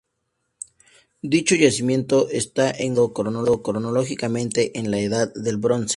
Dicho yacimiento está encuadrado cronológicamente en la Edad del Bronce.